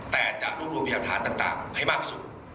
แต่จะรวบรวมพยาฐานต่างให้มากที่สุด